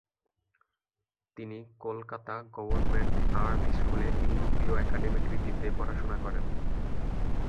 তিনি Kolkata government art স্কুলে ইউরোপীয় অ্যাকাডেমিক রীতিতে পড়াশোনা করেন।